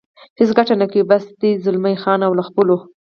هېڅ ګټه نه کوي، بس یې ده، زلمی خان او له خپلو.